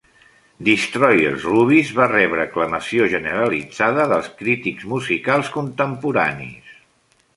"Destroyer's Rubies" va rebre aclamació generalitzada dels crítics musicals contemporanis.